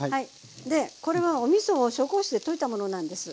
でこれはおみそを紹興酒で溶いたものなんです。